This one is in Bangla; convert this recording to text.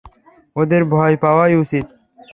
ওদের ভয় পাওয়াই উচিত!